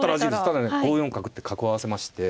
ただね５四角って角を合わせまして。